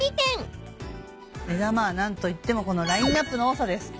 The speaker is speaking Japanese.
目玉は何といってもこのラインアップの多さです。